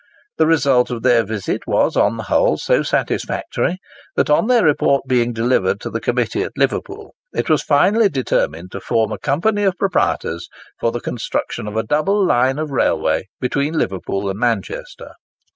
The result of their visit was, on the whole, so satisfactory, that on their report being delivered to the committee at Liverpool, it was finally determined to form a company of proprietors for the construction of a double line of railway between Liverpool and Manchester.